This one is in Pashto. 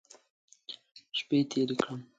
شپې تېرې کړم.